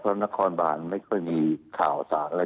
เพราะนครบานไม่ค่อยมีข่าวสารอะไร